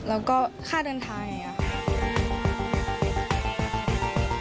แล้วก็ค่าเดินทางอย่างนี้ค่ะ